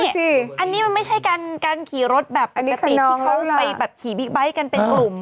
การขี่รถจริงปีกใบที่เขาจะขี่บิ๊กไบท์กันเป็นกลุ่ม